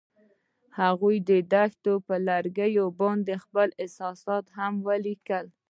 هغوی د دښته پر لرګي باندې خپل احساسات هم لیکل.